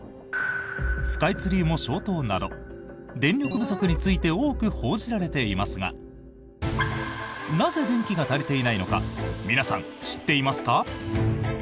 スカイツリーも消灯など電力不足について多く報じられていますがなぜ電気が足りていないのか皆さん、知っていますか？